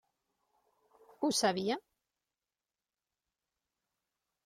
Ho sabia?